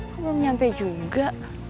kamu belum nyampe juga